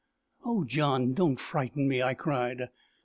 "Oh, John, don't frighten me!" I cried.